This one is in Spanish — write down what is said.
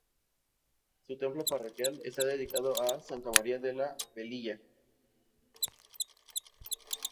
Su templo parroquial está dedicado a Santa María de la Velilla.